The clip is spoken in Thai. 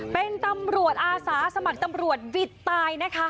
เป็นตำรวจอาสาสมัครตำรวจวิทย์ตายนะคะ